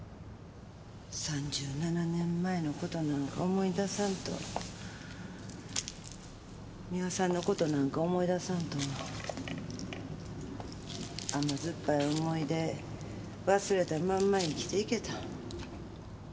３７年前の事なんか思い出さんと三輪さんの事なんか思い出さんと甘酸っぱい思い出忘れたまんま生きていけた。